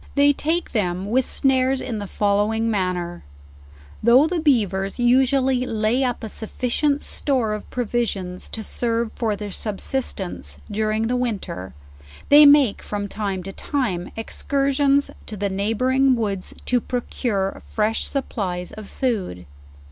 They take them with snares in the following manner* though the beavers usually lay up a sufficient, store of provi sions to serve for their subsistence during the winter, they make from time to time excursions to the neighboring woods to procure fresh supplies of food.